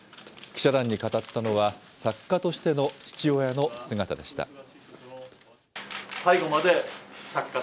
記者団に語ったのは、作家としての父親の姿でした。